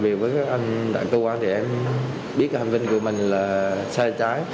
vì với các anh đại cơ quan thì em biết hành viên của mình là sai trái